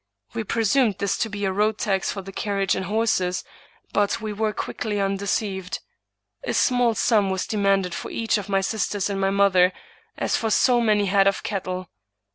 We presumed this to be a road tax for the carriage and horses, but we were quickly undeceived ; a small sum was demanded for each of my sisters and my mother, as for so many head of cattle.